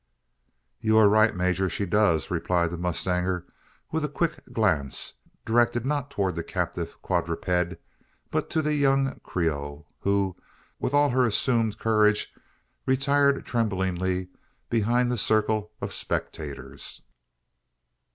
"You are right, major: she does!" replied the mustanger, with a quick glance, directed not towards the captive quadruped, but to the young Creole; who, with all her assumed courage, retired tremblingly behind the circle of spectators.